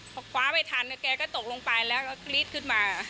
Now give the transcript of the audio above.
พอคว้าไม่ทันแกก็ตกลงไปแล้วก็กรี๊ดขึ้นมา